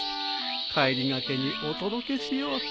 帰りがけにお届けしようと。